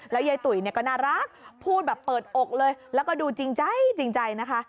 ยายตุ๋ยเนี่ยก็น่ารักพูดแบบเปิดอกเลยแล้วก็ดูจริงใจจริงใจนะคะ